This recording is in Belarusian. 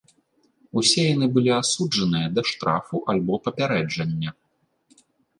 Усе яны былі асуджаныя да штрафу альбо папярэджання.